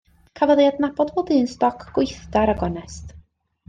Cafodd ei adnabod fel dyn stoc gweithgar a gonest.